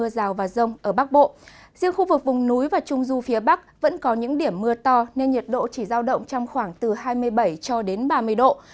riêng khu vực vùng núi và trung du phía bắc vẫn có những điểm mưa to nên nhiệt độ chỉ giao động trong khoảng từ hai mươi bảy cho đến ba mươi độ